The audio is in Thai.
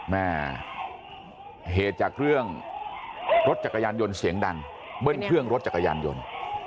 แม่เหตุจากเรื่องรถจักรยานยนต์เสียงดังเบิ้ลเครื่องรถจักรยานยนต์